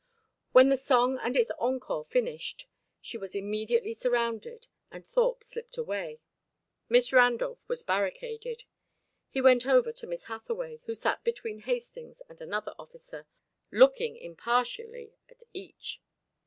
When the song and its encore finished, she was immediately surrounded, and Thorpe slipped away. Miss Randolph was barricaded. He went over to Miss Hathaway, who sat between Hastings and another officer, looking impartially at each.